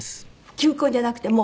球根じゃなくてもう。